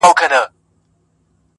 زه لاس په سلام سترگي راواړوه.